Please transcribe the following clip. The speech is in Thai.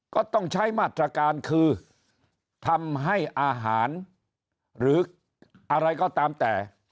ก็ต้องใช้มาตรการคือทำให้อาหารหรืออะไรก็ตามแต่